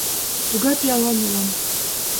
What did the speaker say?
Тугай пиалан улам!